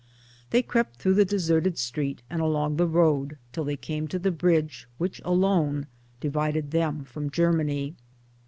They crept through the deserted street and along the road till they came to the bridge which 1 alone divided them from Germany.